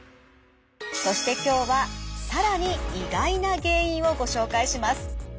そして今日は更に意外な原因をご紹介します。